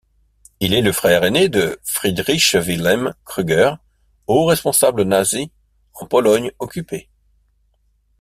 Il est le frère aîné de Friedrich-Wilhelm Krüger, haut responsable nazi en Pologne occupée.